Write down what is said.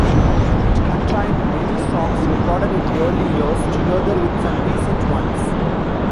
It contained many songs recorded in early years together with some recent ones.